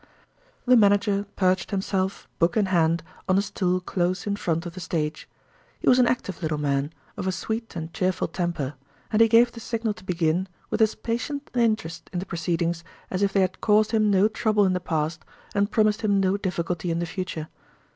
The manager perched himself, book in hand, on a stool close in front of the stage. He was an active little man, of a sweet and cheerful temper; and he gave the signal to begin with as patient an interest in the proceedings as if they had caused him no trouble in the past and promised him no difficulty in the future.